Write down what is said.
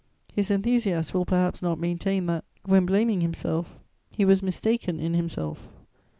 His enthusiasts will perhaps not maintain that, when blaming himself, he was mistaken in himself.